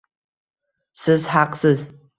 Siz haqsiz.